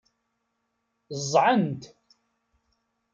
Ẓẓɛen-t.